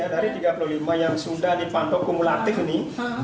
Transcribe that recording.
dari tiga puluh lima yang sudah dipantau kumulasi